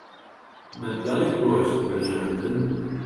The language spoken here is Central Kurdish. مەنگەڵی گۆشت برژاندن